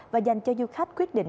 và dành cho du khách quyết định